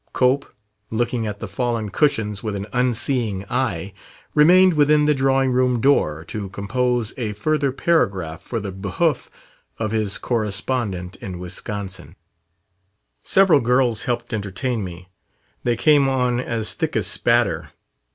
Cope, looking at the fallen cushions with an unseeing eye, remained within the drawing room door to compose a further paragraph for the behoof of his correspondent in Wisconsin: "Several girls helped entertain me. They came on as thick as spatter.